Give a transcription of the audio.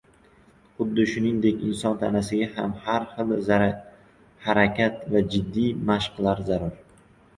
xuddi shuningdek, inson tanasiga ham har xil harakat va jiddiy mashqlar zarur.